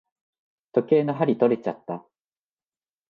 時計の針とれちゃった。